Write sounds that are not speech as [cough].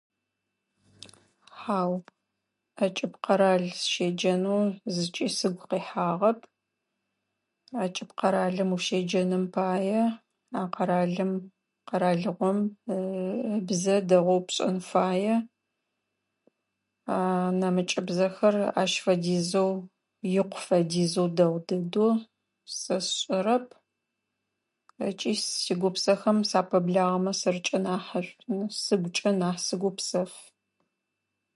Хьау. Ӏэкӏыб къэрал сыщеджэнэу зыкӏи сыгу къихьагъэп. Ӏэкӏыб къэралым ущеджэным пае а къэралым къэралыгъом [hesitation] ыбзэ дэгъоу пшӏэн фае. [hesitation] Нэмыкӏыбзэхэр ащ фэдизэу икъу фэдизэу дэгъу дэдэу сэ сшӏэрэп ыкӏи сигупсэхэм сапэблагъэмэ сэркӏэ нахьшӏун сыгукӏэ нахь гупсэф.